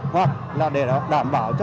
hoặc là để đảm bảo cho